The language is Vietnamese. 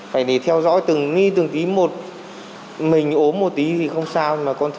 phải để theo dõi từng tí một mình ốm một tí thì không sao